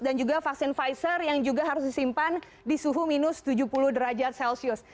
dan juga vaksin pfizer yang juga harus disimpan di suhu minus tujuh puluh derajat celcius